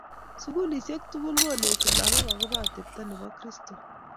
Sukulisiek tugulkoneti lakok akobo atepto nebo Kristo